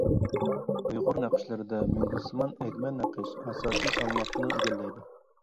ئۇيغۇر نەقىشلىرىدە مۈڭگۈزسىمان ئەگمە نەقىش ئاساسىي سالماقنى ئىگىلەيدۇ.